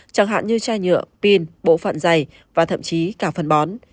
chẳng hạn như chai nhựa pin bộ phận dày và thậm chí cả phân bón